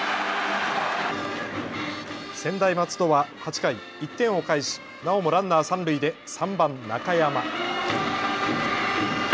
専大松戸は８回、１点を返しなおもランナー三塁で３番・中山。